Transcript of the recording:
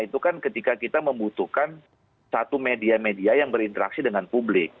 itu kan ketika kita membutuhkan satu media media yang berinteraksi dengan publik